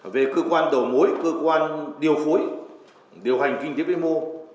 về cơ quan đầu mối cơ quan điều phối điều hành kinh tế vĩ mô